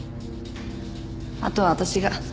あとは私が。